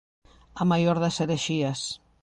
A maior das herexías.